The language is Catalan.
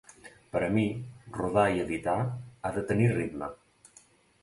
Per a mi, rodar i editar ha de tenir ritme.